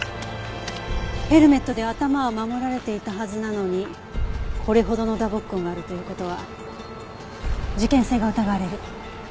ヘルメットで頭は守られていたはずなのにこれほどの打撲痕があるという事は事件性が疑われる。